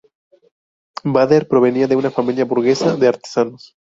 Baader provenía de una familia burguesa de artesanos.